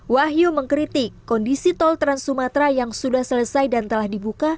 wahyu mengkritik kondisi tol trans sumatera yang sudah selesai dan telah dibuka